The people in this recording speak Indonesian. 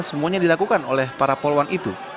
semuanya dilakukan oleh para pol one itu